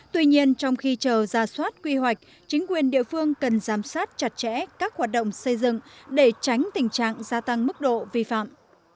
tuy nhiên trong khi chờ ra soát quy hoạch chính quyền địa phương cần giám sát chặt chẽ các hoạt động xây dựng để tránh tình trạng gia tăng mức độ vi phạm